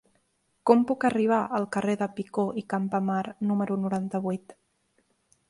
Com puc arribar al carrer de Picó i Campamar número noranta-vuit?